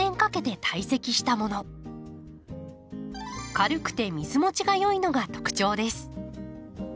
軽くて水もちが良いのが特徴です。